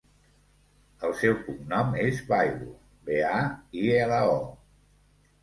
El seu cognom és Bailo: be, a, i, ela, o.